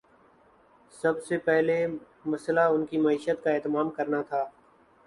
سب سے پہلا مسئلہ ان کی معیشت کا اہتمام کرنا تھا۔